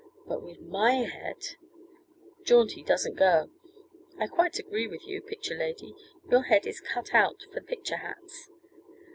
But with my head " "Jaunty doesn't go. I quite agree with you, picture lady, your head is cut out for picture hats.